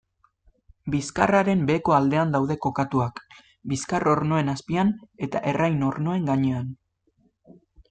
Bizkarraren beheko aldean daude kokatuak, bizkar-ornoen azpian eta errain-ornoen gainean.